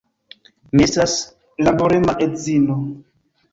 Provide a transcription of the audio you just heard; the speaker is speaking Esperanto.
Mi estas laborema edzino.